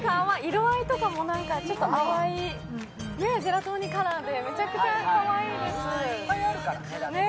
色合いとかもちょっと淡い、ジェラトーニカラーでめちゃくちゃかわいいです。